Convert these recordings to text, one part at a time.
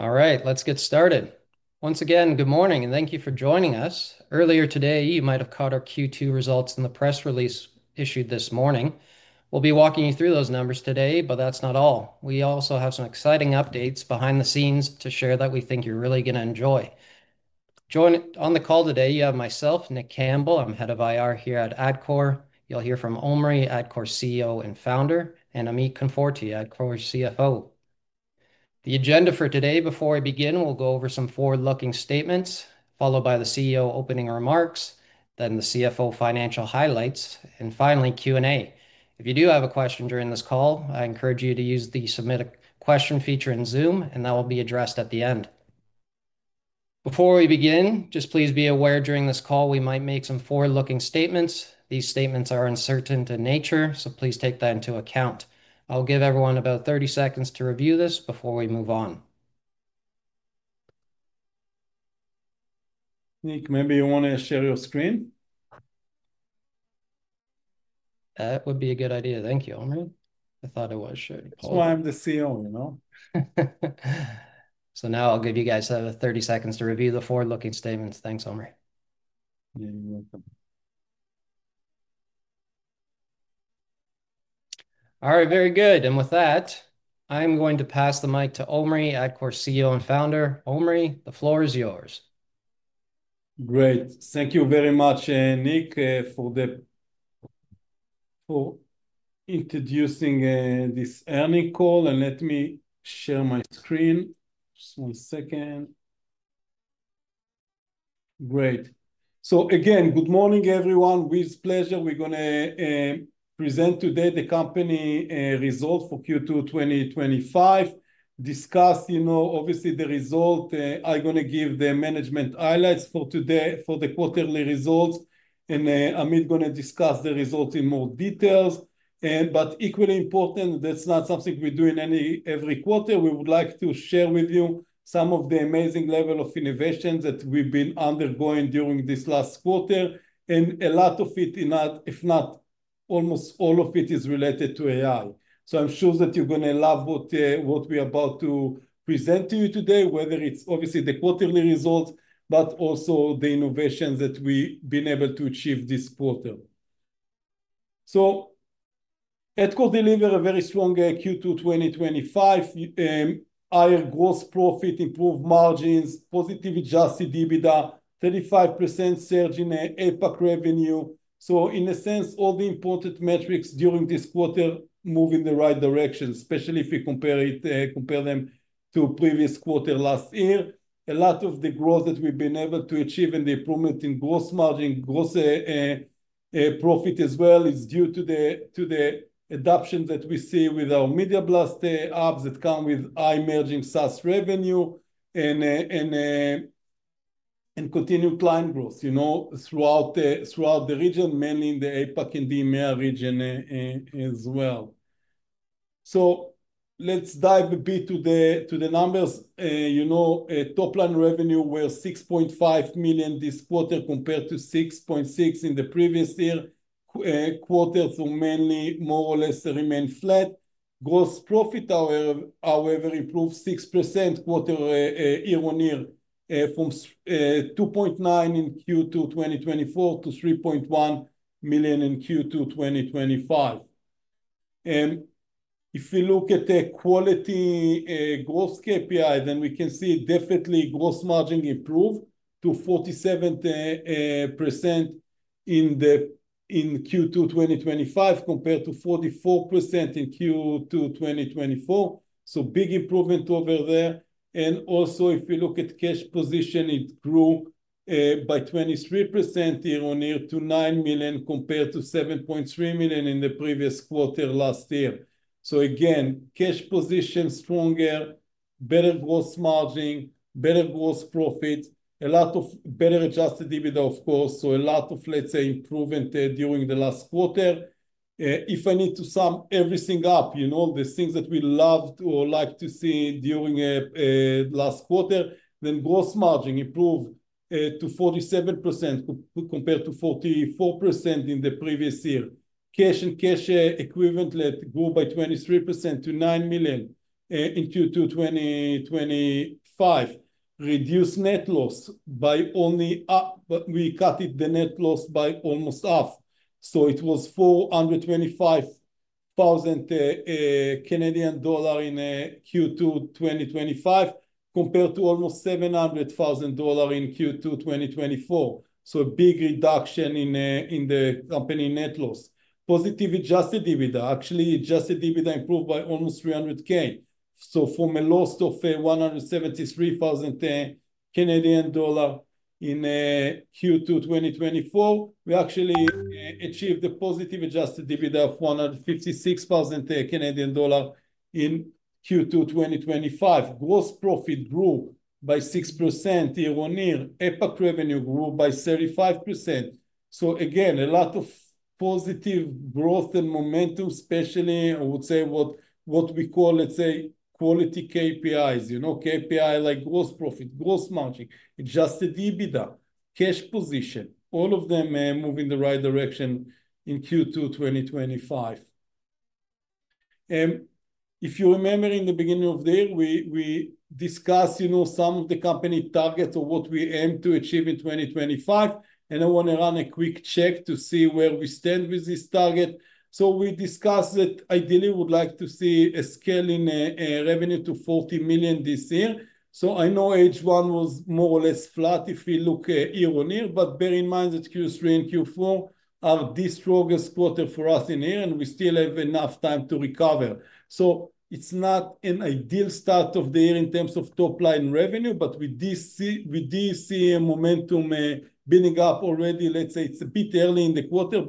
Alright, let's get started. Once again, good morning and thank you for joining us. Earlier today, you might have caught our Q2 results in the press release issued this morning. We'll be walking you through those numbers today, but that's not all. We also have some exciting updates behind the scenes to share that we think you're really going to enjoy. Joining on the call today, you have myself, Nick Campbell, I'm Head of Investor Relations here at Adcore. You'll hear from Omri, Adcore CEO and Founder, and Amit Konforty, Adcore's CFO. The agenda for today before we begin, we'll go over some forward-looking statements, followed by the CEO opening remarks, then the CFO financial highlights, and finally Q&A. If you do have a question during this call, I encourage you to use the submit a question feature in Zoom, and that will be addressed at the end. Before we begin, just please be aware during this call we might make some forward-looking statements. These statements are uncertain in nature, so please take that into account. I'll give everyone about 30 seconds to review this before we move on. Nick, maybe you want to share your screen? That would be a good idea. Thank you, Omri. I thought it was shared. That's why I'm the CEO, you know. I'll give you guys another 30 seconds to review the forward-looking statements. Thanks, Omri. Thank you. Alright, very good. With that, I'm going to pass the mic to Omri, Adcore CEO and Founder. Omri, the floor is yours. Great. Thank you very much, Nick, for introducing this admin call. Let me share my screen. Just one second. Great. Again, good morning, everyone. With pleasure, we're going to present today the company results for Q2 2025. Discuss, you know, obviously the results. I'm going to give the management highlights for today for the quarterly results. Amit is going to discuss the results in more details. Equally important, that's not something we do in every quarter. We would like to share with you some of the amazing level of innovation that we've been undergoing during this last quarter. A lot of it, if not almost all of it, is related to AI. I'm sure that you're going to love what we're about to present to you today, whether it's obviously the quarterly results, but also the innovations that we've been able to achieve this quarter. Adcore delivered a very strong Q2 2025, higher gross profit, improved margins, positive adjusted EBITDA, 35% surge in APAC revenue. In a sense, all the important metrics during this quarter move in the right direction, especially if we compare them to previous quarters last year. A lot of the growth that we've been able to achieve in the improvement in gross margin, gross profit as well, is due to the adoption that we see with our Media Blast apps that come with high merging SaaS revenue and continued client growth throughout the region, mainly in the APAC and EMEA region as well. Let's dive a bit to the numbers. Top line revenue was 6.5 million this quarter compared to 6.6 million in the previous year. Quarters were mainly more or less remain flat. Gross profit, however, improved 6% year-on-year, from 2.9 million in Q2 2024 to 3.1 million in Q2 2025. If we look at the quality gross KPIs, then we can see definitely gross margin improved to 47% in Q2 2025 compared to 44% in Q2 2024. Big improvement over there. Also, if we look at cash position, it grew by 23% year on year to 9 million compared to 7.3 million in the previous quarter last year. Again, cash position stronger, better gross margin, better gross profit, a lot of better adjusted EBITDA, of course, so a lot of, let's say, improvement during the last quarter. If I need to sum everything up, you know, the things that we loved or liked to see during the last quarter, then gross margin improved to 47% compared to 44% in the previous year. Cash and cash equivalent grew by 23% to 9 million in Q2 2025. Reduced net loss by only half, but we cut the net loss by almost half. It was 425,000 Canadian dollar in Q2 2025 compared to almost 700,000 dollar in Q2 2024. A big reduction in the company net loss. Positive adjusted EBITDA, actually, adjusted EBITDA improved by almost 300,000. From a loss of 173,000 Canadian dollar in Q2 2024, we actually achieved a positive adjusted EBITDA of 156,000 Canadian dollar in Q2 2025. Gross profit grew by 6% year on year. APAC revenue grew by 35%. A lot of positive growth and momentum, especially, I would say, what we call, let's say, quality KPIs, you know, KPIs like gross profit, gross margin, adjusted EBITDA, cash position, all of them move in the right direction in Q2 2025. If you remember in the beginning of the year, we discussed, you know, some of the company targets of what we aim to achieve in 2025. I want to run a quick check to see where we stand with this target. We discussed that ideally we'd like to see a scale in revenue to 40 million this year. I know H1 was more or less flat if we look year on year, but bear in mind that Q3 and Q4 are the strongest quarters for us in the year, and we still have enough time to recover. It's not an ideal start of the year in terms of top line revenue, but we do see momentum building up already. It's a bit early in the quarter,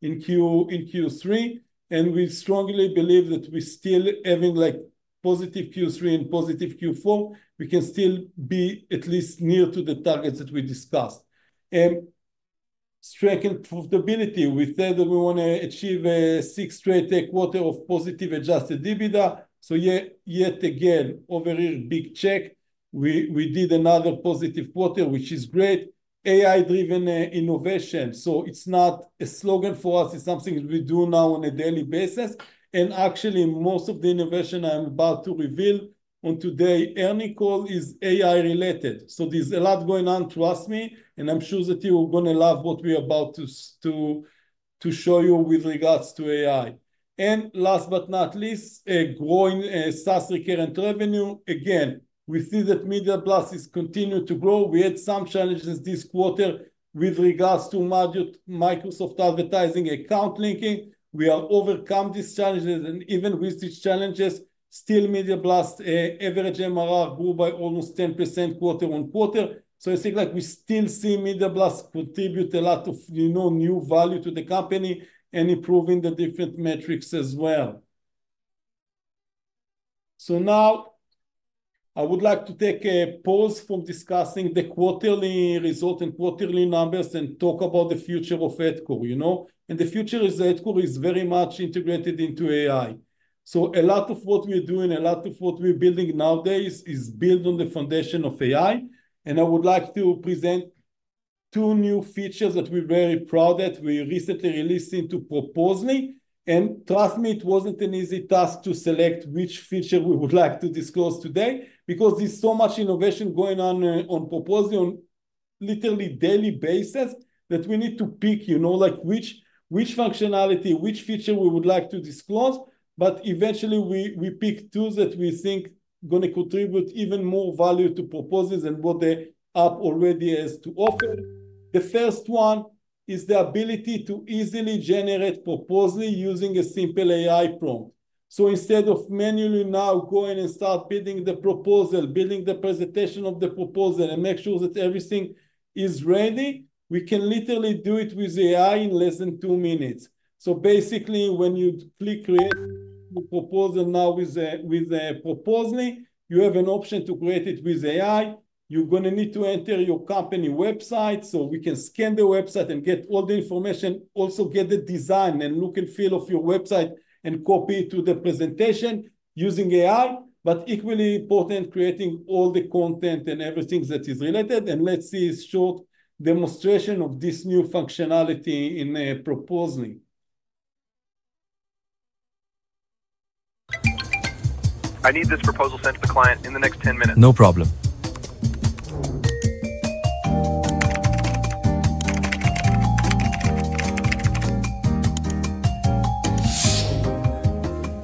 but in Q3, and we strongly believe that we still having like positive Q3 and positive Q4, we can still be at least near to the targets that we discussed. Strength and profitability, we said that we want to achieve a sixth straight quarter of positive adjusted EBITDA. Yet again, over here, big check, we did another positive quarter, which is great. AI-driven innovation, it's not a slogan for us. It's something we do now on a daily basis. Most of the innovation I'm about to reveal on today's earnings call is AI-related. There's a lot going on, trust me, and I'm sure that you're going to love what we're about to show you with regards to AI. Last but not least, growing SaaS recurrent revenue. We see that Media Blast is continuing to grow. We had some challenges this quarter with regards to Microsoft Advertising account linking. We overcame these challenges, and even with these challenges, still Media Blast's average MRR grew by almost 10% quarter-on-quarter. I think we still see Media Blast contribute a lot of, you know, new value to the company and improving the different metrics as well. I would like to take a pause from discussing the quarterly result and quarterly numbers and talk about the future of Adcore. The future is that Adcore is very much integrated into AI. A lot of what we're doing, a lot of what we're building nowadays is built on the foundation of AI. I would like to present two new features that we're very proud of that we recently released into Proposaly. Trust me, it wasn't an easy task to select which feature we would like to discuss today because there's so much innovation going on on Proposaly on a literally daily basis that we need to pick which functionality, which feature we would like to disclose. Eventually, we picked two that we think are going to contribute even more value to Proposaly than what the app already has to offer. The first one is the ability to easily generate proposals using a simple AI prompt. Instead of manually now going and start building the proposal, building the presentation of the proposal, and make sure that everything is ready, we can literally do it with AI in less than two minutes. When you click create a proposal now with Proposaly, you have an option to create it with AI. You're going to need to enter your company website so we can scan the website and get all the information, also get the design and look and feel of your website and copy it to the presentation using AI. Equally important, creating all the content and everything that is related. Let's see a short demonstration of this new functionality in Proposaly. I need this proposal sent to the client. No problem.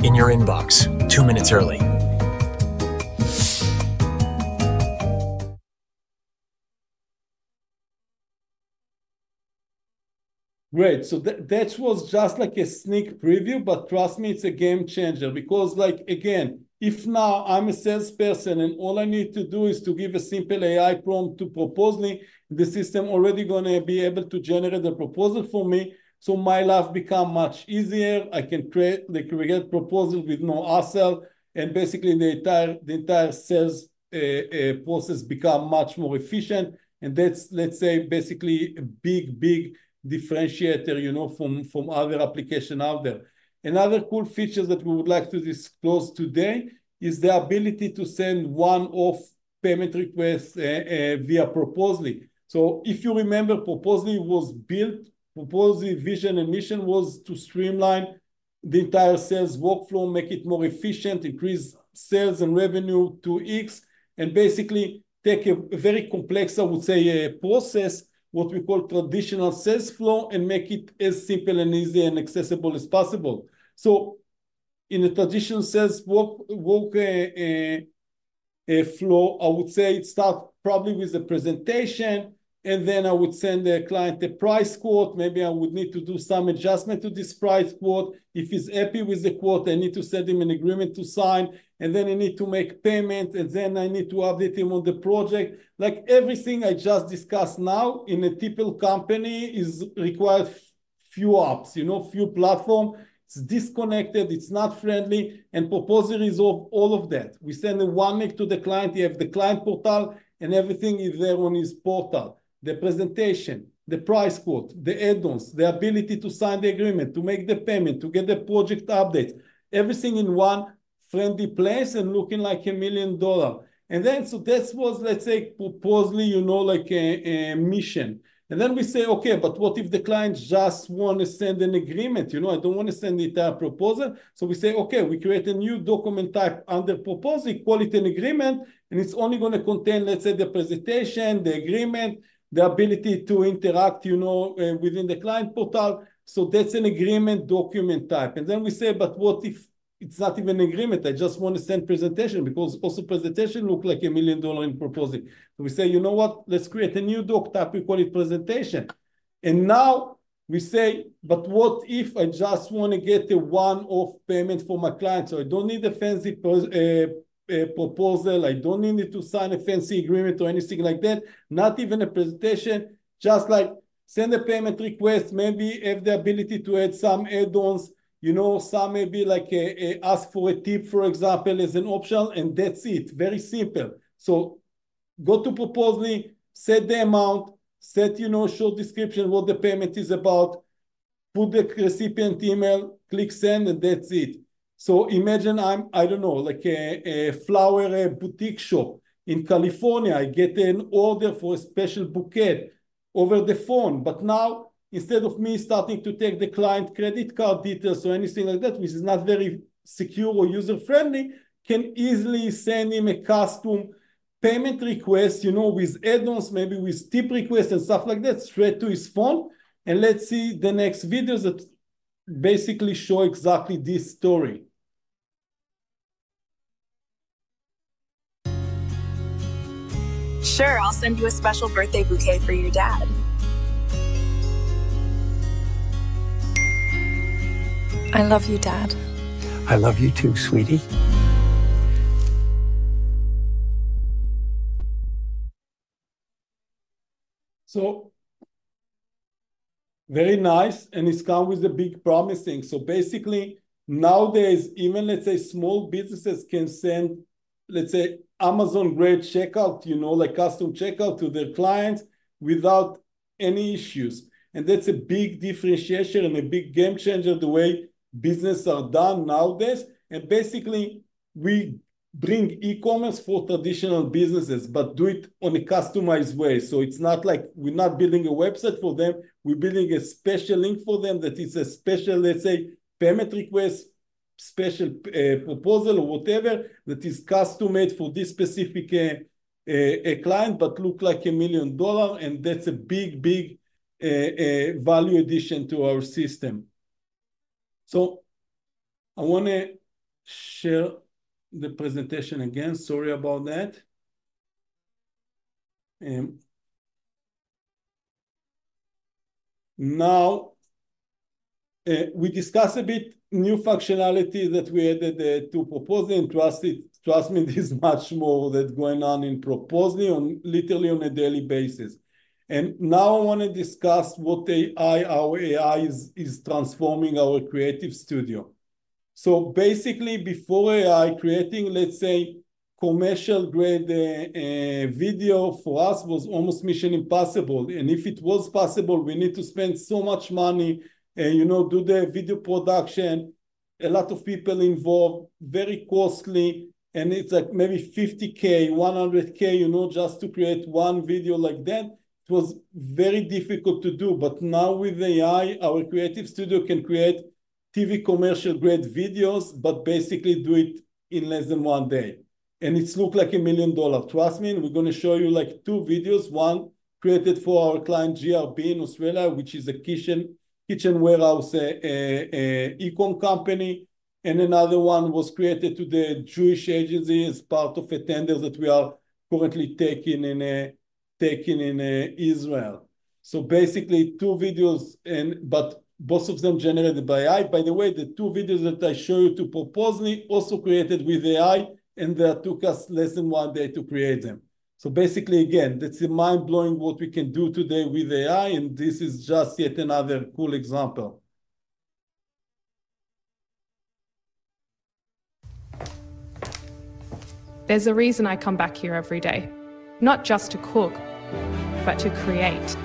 In your inbox, two minutes early. Great. That was just like a sneak preview, but trust me, it's a game changer because, again, if now I'm a salesperson and all I need to do is to give a simple AI prompt to Proposaly, the system is already going to be able to generate a proposal for me. My life becomes much easier. I can create the correct proposal with no hassle. Basically, the entire sales process becomes much more efficient. That's, let's say, basically a big, big differentiator from other applications out there. Another cool feature that we would like to disclose today is the ability to send one-off payment requests via Proposaly. If you remember, Proposaly was built. Proposaly's vision and mission was to streamline the entire sales workflow, make it more efficient, increase sales and revenue to X, and basically take a very complex, I would say, process, what we call traditional sales flow, and make it as simple and easy and accessible as possible. In a traditional sales flow, I would say it starts probably with a presentation, and then I would send the client a price quote. Maybe I would need to do some adjustment to this price quote. If he's happy with the quote, I need to send him an agreement to sign, and then I need to make payment, and then I need to update him on the project. Everything I just discussed now, in a typical company, requires a few apps, a few platforms. It's disconnected. It's not friendly. Proposaly resolves all of that. We send one link to the client. You have the client portal, and everything is there on this portal: the presentation, the price quote, the add-ons, the ability to sign the agreement, to make the payment, to get the project updates, everything in one friendly place and looking like 1 million dollars. That was, let's say, Proposaly's mission. We say, okay, but what if the client just wants to send an agreement? I don't want to send the entire proposal. We say, okay, we create a new document type under Proposaly called an agreement, and it's only going to contain, let's say, the presentation, the agreement, the ability to interact within the client portal. That's an agreement document type. We say, what if it's not even an agreement? I just want to send a presentation because also presentation looks like 1 million dollar in Proposaly. We say, you know what? Let's create a new doc type. We call it presentation. Now we say, what if I just want to get the one-off payment for my client? I don't need a fancy proposal. I don't need to sign a fancy agreement or anything like that, not even a presentation. Just send a payment request, maybe have the ability to add some add-ons, maybe like ask for a tip, for example, as an option, and that's it. Very simple. Go to Proposaly, set the amount, set a short description of what the payment is about, put the recipient email, click send, and that's it. Imagine I'm, I don't know, like a flower boutique shop in California. I get an order for a special bouquet over the phone. Now, instead of me starting to take the client's credit card details or anything like that, which is not very secure or user-friendly, I can easily send him a custom payment request with add-ons, maybe with tip requests and stuff like that, straight to his phone. Let's see the next videos that basically show exactly this story. Sure, I'll send you a special birthday bouquet for your dad. I love you, Dad. I love you too, sweetie. Very nice, and it comes with a big promising. Basically, nowadays, even let's say small businesses can send, let's say, Amazon-grade checkout, you know, like custom checkout to their clients without any issues. That's a big differentiation and a big game changer the way businesses are done nowadays. Basically, we bring e-commerce for traditional businesses, but do it in a customized way. It's not like we're not building a website for them. We're building a special link for them that is a special, let's say, payment request, special proposal, or whatever that is custom made for this specific client, but looks like 1 million dollar. That's a big, big value addition to our system. I want to share the presentation again. Sorry about that. We discussed a bit new functionality that we added to Proposaly, and trust me, there's much more that's going on in Proposaly literally on a daily basis. Now I want to discuss what our AI is transforming our creative studio. Basically, before AI, creating, let's say, commercial-grade video for us was almost mission impossible. If it was possible, we need to spend so much money and, you know, do the video production. A lot of people involved, very costly, and it's like maybe 50,000, 100,000, you know, just to create one video like that. It was very difficult to do. Now with AI, our creative studio can create TV commercial-grade videos, but basically do it in less than one day. It looks like 1 million dollars. Trust me, we're going to show you like two videos. One created for our client, GRB in Australia, which is a kitchen warehouse e-com company. Another one was created to the Jewish agency, part of a tender that we are currently taking in Israel. Basically, two videos, and both of them generated by AI. By the way, the two videos that I show you to Proposaly also created with AI, and that took us less than one day to create them. Basically, again, that's the mind-blowing what we can do today with AI, and this is just yet another cool example. There's a reason I come back here every day, not just to cook, but to create.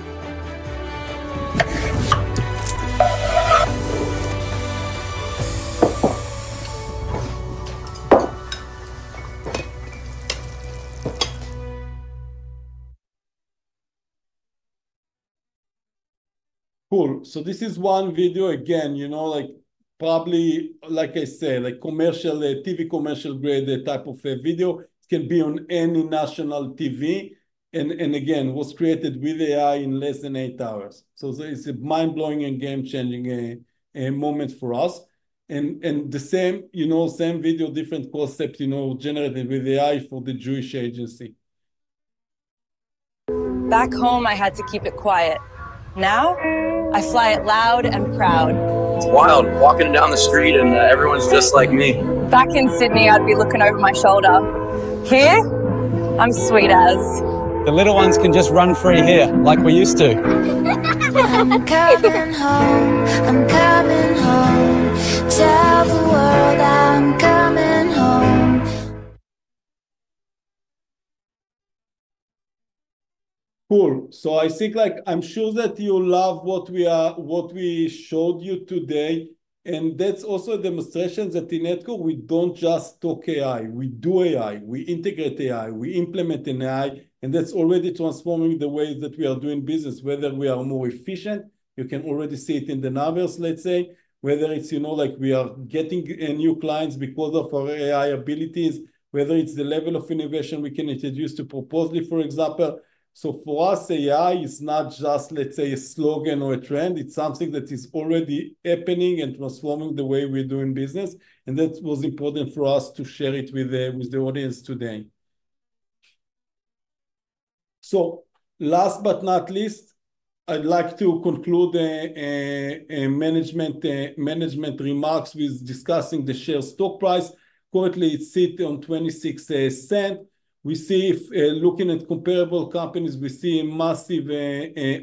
This is one video again, you know, like probably, like I said, like commercial TV, commercial-grade type of video. It can be on any national TV. It was created with AI in less than eight hours. It's a mind-blowing and game-changing moment for us. The same video, different concept, you know, generated with AI for the Jewish agency. Back home, I had to keep it quiet. Now, I fly it loud and proud. Wild. Walking down the street and everyone's just like me. Back in Sydney, I'd be looking over my shoulder. Here, I'm sweet as. The little ones can just run free here like we used to. I'm coming home. I'm coming home. Tell the world I'm coming home. Cool. I think like I'm sure that you love what we are, what we showed you today. That's also a demonstration that in Adcore, we don't just talk AI. We do AI. We integrate AI. We implement AI. That's already transforming the way that we are doing business, whether we are more efficient. You can already see it in the numbers, let's say, whether it's, you know, like we are getting new clients because of our AI abilities, whether it's the level of innovation we can introduce to Proposaly, for example. For us, AI is not just, let's say, a slogan or a trend. It's something that is already happening and transforming the way we're doing business. That was important for us to share it with the audience today. Last but not least, I'd like to conclude the management remarks with discussing the share stock price. Currently, it sits on 0.26. If looking at comparable companies, we see a massive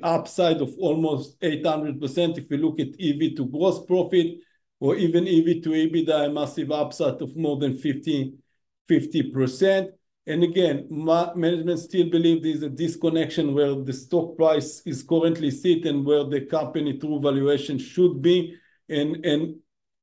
upside of almost 800%. If we look at EBIT to gross profit or even EBIT to EBITDA, a massive upside of more than 50%. Again, management still believes there's a disconnection where the stock price is currently sitting and where the company true valuation should be.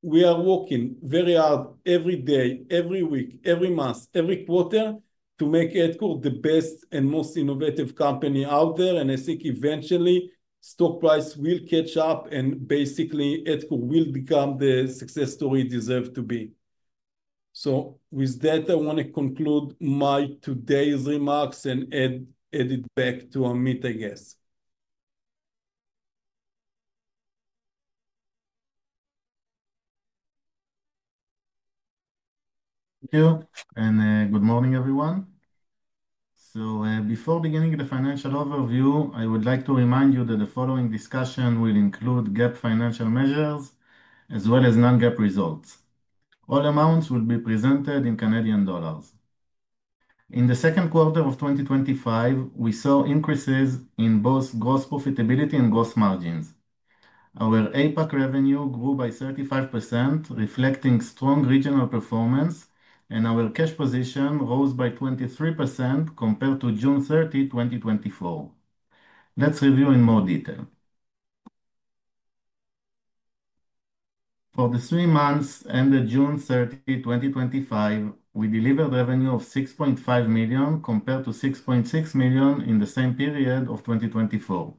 We are working very hard every day, every week, every month, every quarter to make Adcore the best and most innovative company out there. I think eventually, stock price will catch up and basically Adcore will become the success story it deserves to be. With that, I want to conclude my today's remarks and add it back to Amit, I guess. Thank you and good morning, everyone. Before beginning the financial overview, I would like to remind you that the following discussion will include GAAP financial measures as well as non-GAAP results. All amounts will be presented in Canadian dollars. In the second quarter of 2025, we saw increases in both gross profitability and gross margins. Our APAC revenue grew by 35%, reflecting strong regional performance, and our cash position rose by 23% compared to June 30, 2024. Let's review in more detail. For the three months ended June 30, 2025, we delivered revenue of 6.5 million compared to 6.6 million in the same period of 2024,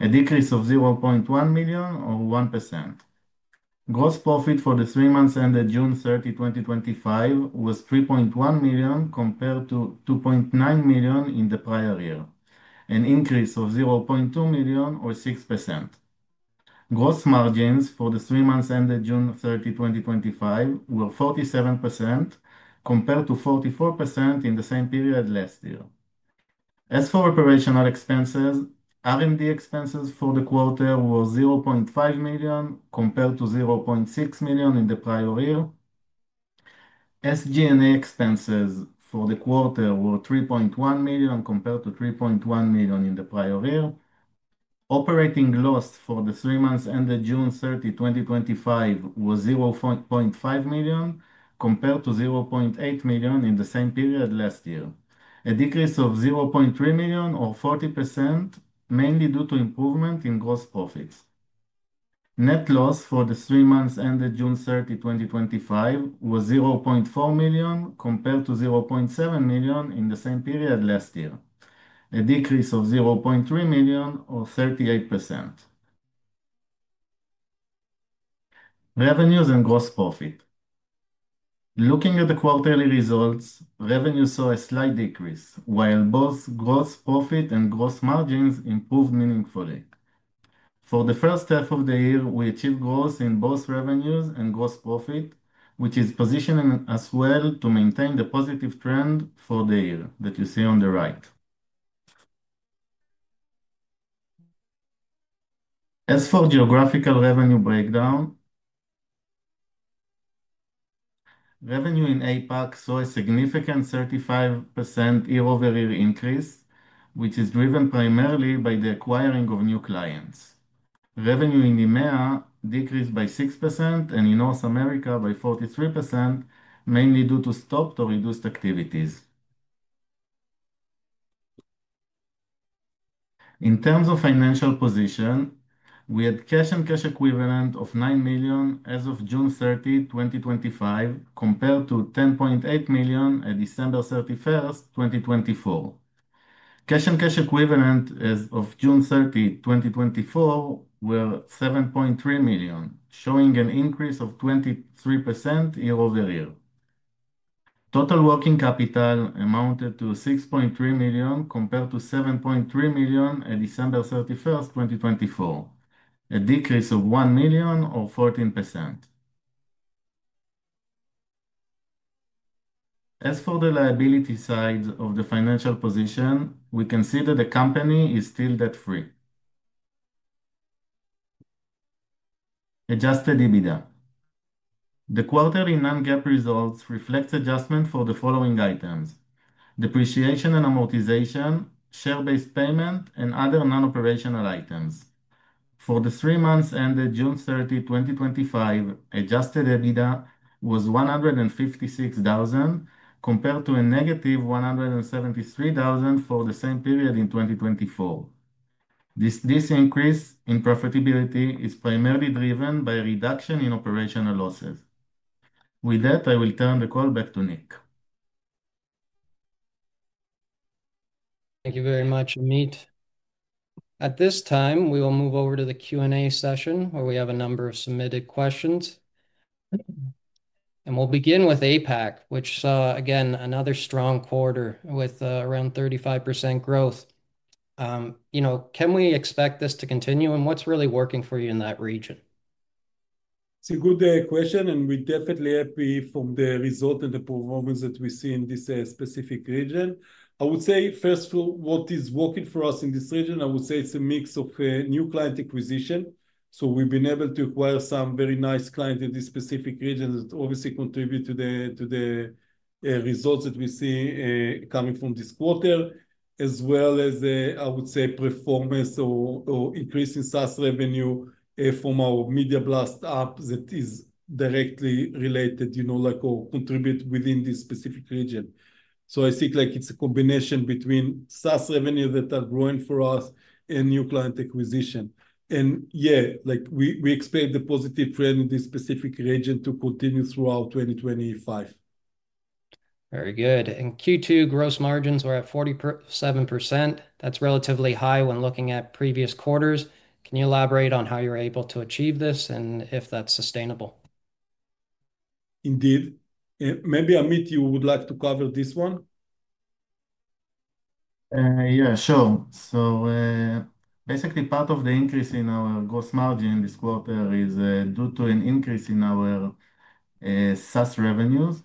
a decrease of 0.1 million or 1%. Gross profit for the three months ended June 30, 2025 was 3.1 million compared to 2.9 million in the prior year, an increase of 0.2 million or 6%. Gross margins for the three months ended June 30, 2025 were 47% compared to 44% in the same period last year. As for operational expenses, R&D expenses for the quarter were 0.5 million compared to 0.6 million in the prior year. SG&A expenses for the quarter were 3.1 million compared to 3.1 million in the prior year. Operating loss for the three months ended June 30, 2025 was 0.5 million compared to 0.8 million in the same period last year, a decrease of 0.3 million or 40%, mainly due to improvement in gross profits. Net loss for the three months ended June 30, 2025 was 0.4 million compared to 0.7 million in the same period last year, a decrease of 0.3 million or 38%. Revenues and gross profit. Looking at the quarterly results, revenues saw a slight decrease, while both gross profit and gross margins improved meaningfully. For the first half of the year, we achieved growth in both revenues and gross profit, which is positioning us well to maintain the positive trend for the year that you see on the right. As for geographical revenue breakdown, revenue in APAC saw a significant 35% year-over-year increase, which is driven primarily by the acquiring of new clients. Revenue in EMEA decreased by 6% and in North America by 43%, mainly due to stopped or reduced activities. In terms of financial position, we had cash and cash equivalent of 9 million as of June 30, 2025, compared to 10.8 million at December 31st, 2024. Cash and cash equivalent as of June 30, 2024, were 7.3 million, showing an increase of 23% year over year. Total working capital amounted to 6.3 million compared to 7.3 million at December 31st, 2024, a decrease of 1 million or 14%. As for the liability sides of the financial position, we can see that the company is still debt-free. Adjusted EBITDA. The quarterly non-GAAP results reflect adjustments for the following items: depreciation and amortization, share-based payment, and other non-operational items. For the three months ended June 30, 2025, adjusted EBITDA was 156,000 compared to a -173,000 for the same period in 2024. This increase in profitability is primarily driven by a reduction in operational losses. With that, I will turn the call back to Nick. Thank you very much, Amit. At this time, we will move over to the Q&A session where we have a number of submitted questions. We'll begin with APAC, which saw again another strong quarter with around 35% growth. You know, can we expect this to continue and what's really working for you in that region? It's a good question, and we're definitely happy from the result and the performance that we see in this specific region. I would say first, for what is working for us in this region, it's a mix of new client acquisition. We've been able to acquire some very nice clients in this specific region that obviously contribute to the results that we see coming from this quarter, as well as performance or increasing SaaS revenue from our Media Blast app that is directly related, you know, or contribute within this specific region. I think it's a combination between SaaS revenue that are growing for us and new client acquisition. We expect the positive trend in this specific region to continue throughout 2025. Very good. Q2 gross margins were at 47%. That's relatively high when looking at previous quarters. Can you elaborate on how you were able to achieve this and if that's sustainable? Indeed. Maybe Amit, you would like to cover this one? Yeah, sure. Basically, part of the increase in our gross margin this quarter is due to an increase in our SaaS revenues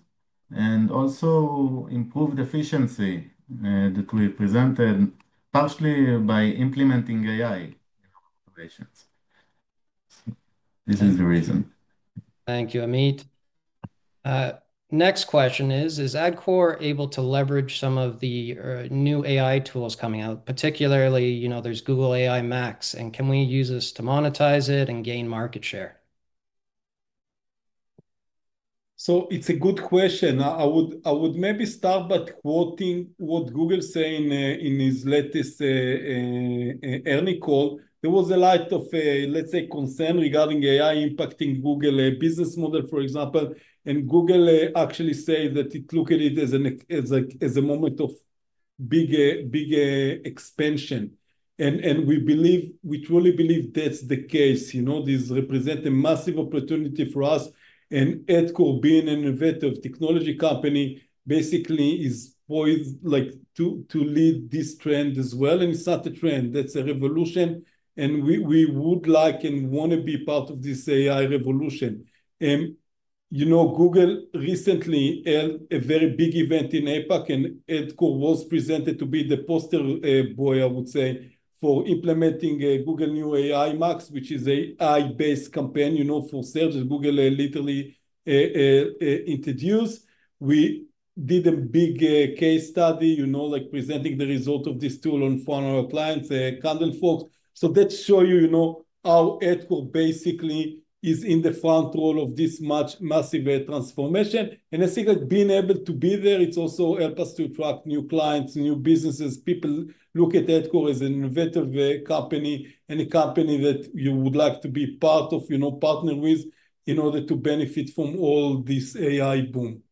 and also improved efficiency that we presented partially by implementing artificial intelligence. This is the reason. Thank you, Amit. Next question is, is Adcore able to leverage some of the new AI tools coming out, particularly, you know, there's Google AI Max? Can we use this to monetize it and gain market share? It's a good question. I would maybe start by quoting what Google is saying in its latest earnings call. There was a lot of, let's say, concern regarding AI impacting Google business models, for example. Google actually said that it looked at it as a moment of big expansion. We believe, we truly believe that's the case. This represents a massive opportunity for us. Adcore, being an innovative technology company, basically is poised to lead this trend as well. It's not a trend. That's a revolution. We would like and want to be part of this AI revolution. Google recently held a very big event in APAC, and Adcore was presented to be the poster boy, I would say, for implementing Google new AI Max campaign technology, which is an AI-based campaign for search that Google literally introduced. We did a big case study presenting the result of this tool in front of our clients, a candle folks. That shows you how Adcore basically is in the front row of this massive transformation. I think that being able to be there also helps us to attract new clients, new businesses. People look at Adcore as an innovative company, any company that you would like to be part of, partner with in order to benefit from all this AI boom.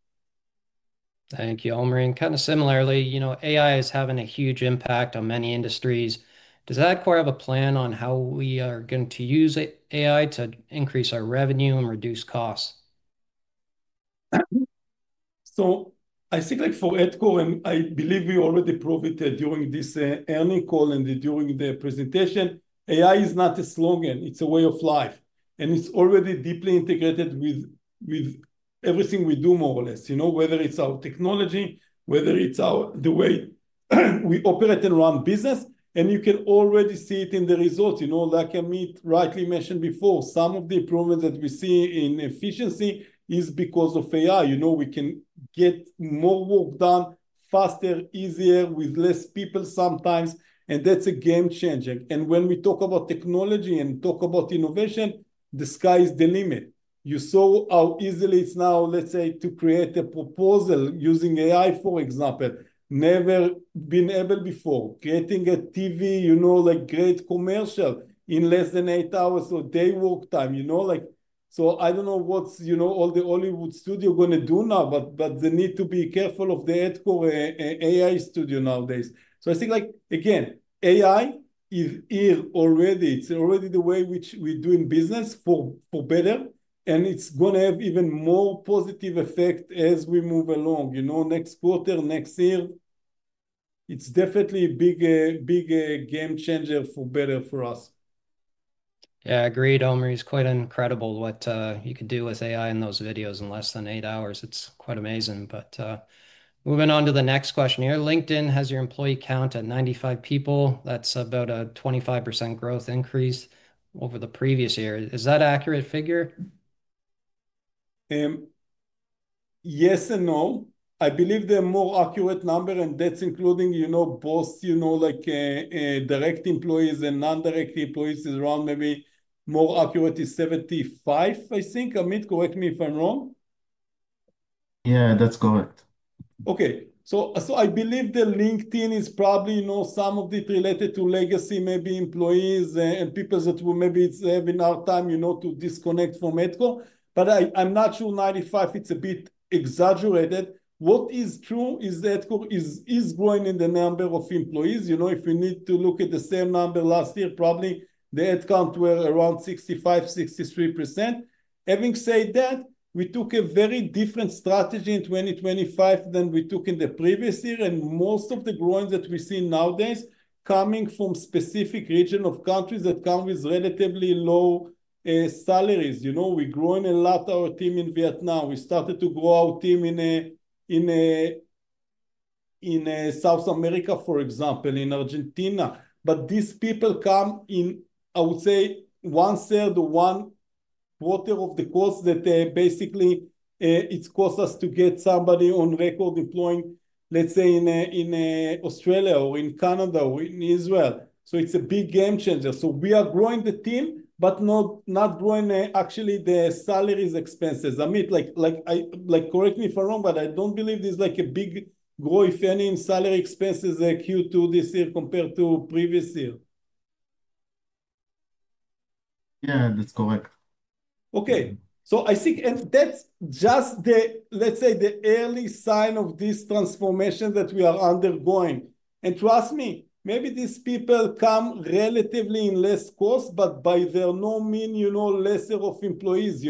Thank you, Omri. Similarly, you know, AI is having a huge impact on many industries. Does Adcore have a plan on how we are going to use AI to increase our revenue and reduce costs? I think for Adcore, I believe we already proved it during this earnings call and during the presentation. AI is not a slogan. It's a way of life, and it's already deeply integrated with everything we do, more or less, whether it's our technology or the way we operate and run business. You can already see it in the results, like Amit rightly mentioned before. Some of the improvements that we see in efficiency are because of AI. We can get more work done faster, easier, with less people sometimes, and that's a game changer. When we talk about technology and talk about innovation, the sky is the limit. You saw how easily it's now, let's say, to create a proposal using AI, for example, never been able before. Getting a TV, like great commercial in less than eight hours or a day work time, so I don't know what all the Hollywood studios are going to do now, but they need to be careful of the Adcore AI studio nowadays. I think, again, AI is here already. It's already the way we're doing business for better, and it's going to have even more positive effects as we move along, next quarter, next year. It's definitely a big, big game changer for better for us. Yeah, I agree, Omri, it's quite incredible what you could do with AI in those videos in less than eight hours. It's quite amazing. Moving on to the next question here, LinkedIn has your employee count at 95 people. That's about a 25% growth increase over the previous year. Is that an accurate figure? Yes and no. I believe the more accurate number, and that's including both direct employees and non-direct employees around me, more accurate is 75, I think. Amit, correct me if I'm wrong. Yeah, that's correct. Okay, so I believe that LinkedIn is probably, you know, some of it related to legacy, maybe employees and people that will maybe have enough time, you know, to disconnect from Adcore. I'm not sure 95, it's a bit exaggerated. What is true is that Adcore is growing in the number of employees. If you need to look at the same number last year, probably the headcount were around 65%, 63%. Having said that, we took a very different strategy in 2025 than we took in the previous year. Most of the growing that we see nowadays coming from specific regions or countries that come with relatively low salaries. We're growing a lot of our team in Vietnam. We started to grow our team in South America, for example, in Argentina. These people come in, I would say, one third or one quarter of the cost that basically it costs us to get somebody on record employing, let's say, in Australia or in Canada or in Israel. It's a big game changer. We are growing the team, but not growing actually the salaries expenses. Amit, like, correct me if I'm wrong, but I don't believe there's like a big growth, if any, in salary expenses Q2 this year compared to previous year. Yeah, that's correct. Okay, I think that's just the early sign of this transformation that we are undergoing. Trust me, maybe these people come relatively in less cost, but by no means, you know, lesser of employees.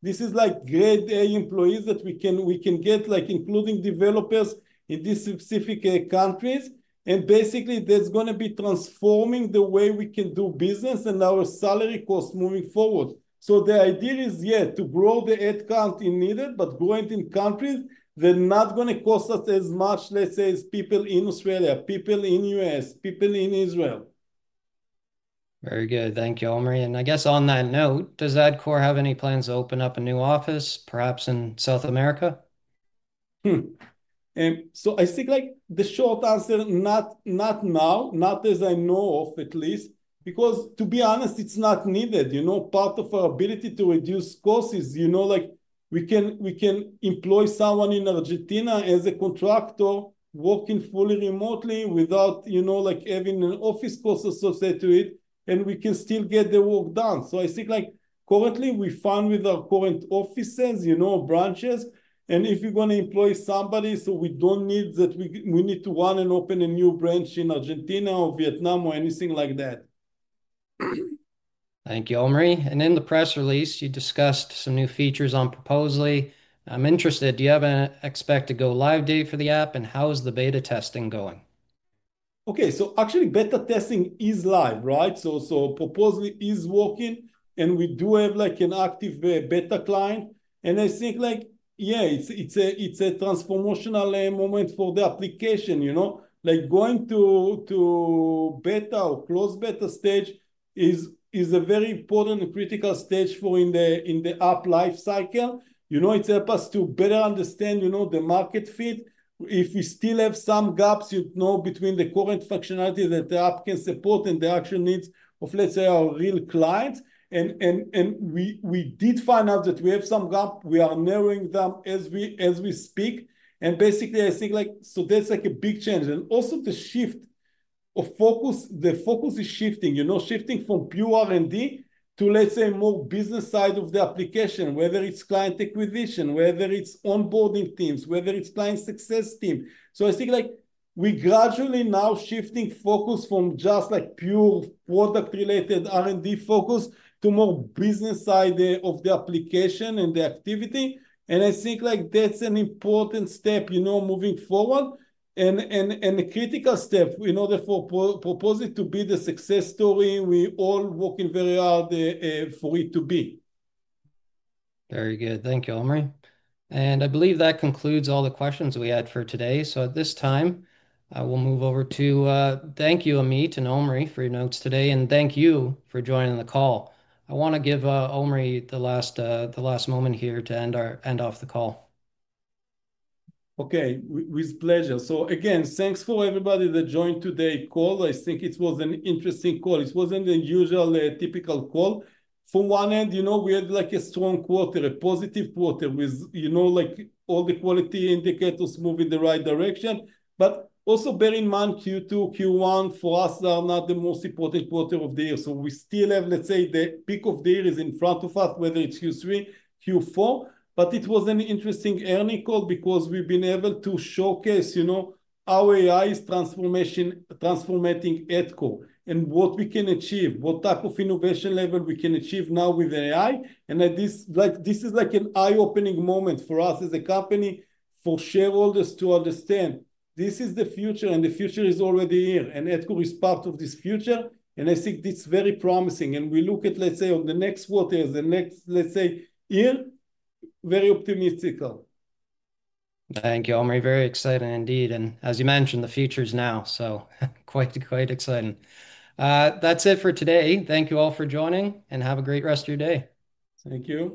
This is like grade A employees that we can get, like, including developers in these specific countries. Basically, that's going to be transforming the way we can do business and our salary costs moving forward. The idea is, yeah, to grow the headcount if needed, but growing in countries that are not going to cost us as much, let's say, as people in Australia, people in the U.S., people in Israel. Very good. Thank you, Omri. I guess on that note, does Adcore have any plans to open up a new office, perhaps in South America? I think the short answer, not now, not as I know of at least, because to be honest, it's not needed. Part of our ability to reduce costs is, we can employ someone in Argentina as a contractor working fully remotely without having an office cost associated with it, and we can still get the work done. I think currently we're fine with our current offices, branches. If you're going to employ somebody, we don't need that. We don't need to run and open a new branch in Argentina or Vietnam or anything like that. Thank you, Omri. In the press release, you discussed some new features on Proposaly. I'm interested. Do you have an expected go live date for the app, and how is the beta testing going? Okay, so actually beta testing is live, right? Proposaly is working and we do have an active beta client. I think it's a transformational moment for the application, you know, going to beta or closed beta stage is a very important and critical stage in the app lifecycle. It helps us to better understand the market fit, if we still have some gaps between the current functionality that the app can support and the actual needs of, let's say, our real clients. We did find out that we have some gaps. We are narrowing them as we speak. Basically, that's a big change. Also, the shift of focus is happening, shifting from pure R&D to, let's say, more business side of the application, whether it's client acquisition, onboarding teams, or client success team. I think we're gradually now shifting focus from just pure product-related R&D focus to more business side of the application and the activity. I think that's an important step moving forward and a critical step in order for Proposaly to be the success story we're all working very hard for it to be. Very good. Thank you, Omri. I believe that concludes all the questions we had for today. At this time, we'll move over to thank you, Amit and Omri, for your notes today. Thank you for joining the call. I want to give Omri the last moment here to end our end off the call. Okay, with pleasure. Again, thanks for everybody that joined today's call. I think it was an interesting call. It wasn't the usual typical call. From one end, we had a strong quarter, a positive quarter with all the quality indicators moving in the right direction. Also, bear in mind Q2, Q1 for us are not the most important quarters of the year. We still have, let's say, the peak of the year in front of us, whether it's Q3, Q4. It was an interesting earnings call because we've been able to showcase our AI transformation transforming Adcore and what we can achieve, what type of innovation level we can achieve now with AI. This is an eye-opening moment for us as a company, for shareholders to understand this is the future and the future is already here. Adcore is part of this future. I think it's very promising. We look at the next quarter, the next year, very optimistic. Thank you, Omri. Very exciting indeed. As you mentioned, the future is now. Quite exciting. That's it for today. Thank you all for joining and have a great rest of your day. Thank you.